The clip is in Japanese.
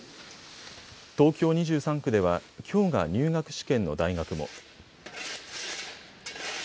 東京２３区ではきょうが入学試験の大学も。